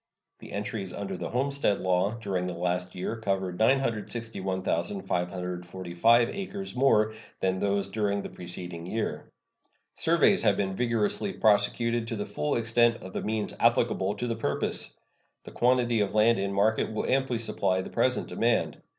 The entries under the homestead law during the last year covered 961,545 acres more than those during the preceding year. Surveys have been vigorously prosecuted to the full extent of the means applicable to the purpose. The quantity of land in market will amply supply the present demand.